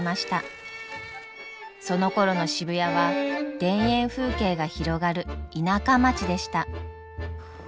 そのころの渋谷は田園風景が広がる田舎町でした。